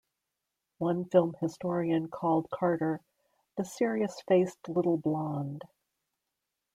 One film historian called Carter "the serious faced little blonde".